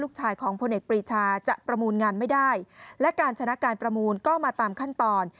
ชายของพลเอกปรีชาจะประมูลงานไม่ได้และการชนะการประมูลก็มาตามขั้นตอน